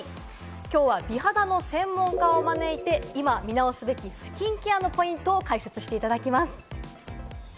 きょうは美肌の専門家を招いて、今、見直すべきスキンケアのポイントを解説していただきます。